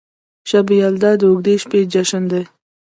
شب یلدا د اوږدې شپې جشن دی.